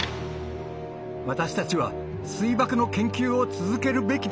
私たちは水爆の研究を続けるべきだ。